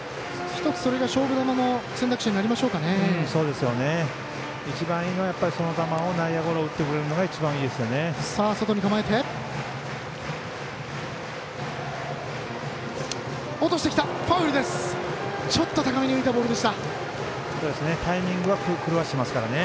一番いいのはその球を内野ゴロ打ってくれるのが一番いいですよね。